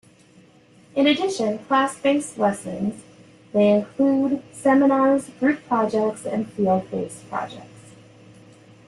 In addition class-based lessons, they include seminars, group projects and field-based projects.